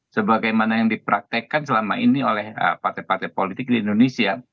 sebagaimana yang dipraktekkan selama ini oleh partai partai politik di indonesia